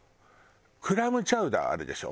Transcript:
クラムチャウダーあるでしょ？